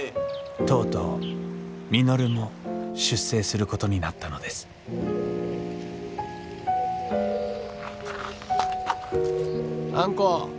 とうとう稔も出征することになったのですあんこ。